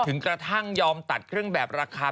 ถึงกระทั่งยอมตัดเครื่องแบบราคา